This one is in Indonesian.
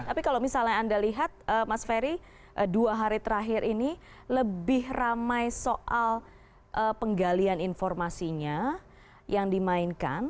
tapi kalau misalnya anda lihat mas ferry dua hari terakhir ini lebih ramai soal penggalian informasinya yang dimainkan